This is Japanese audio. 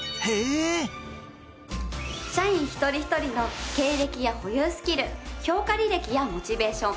社員一人一人の経歴や保有スキル評価履歴やモチベーション。